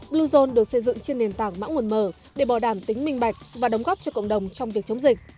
bluezone được xây dựng trên nền tảng mã nguồn mở để bảo đảm tính minh bạch và đóng góp cho cộng đồng trong việc chống dịch